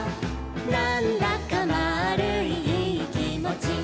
「なんだかまぁるいいいきもち」